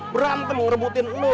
berantem ngerebutin lu